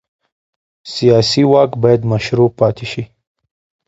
سیاسي واک باید مشروع پاتې شي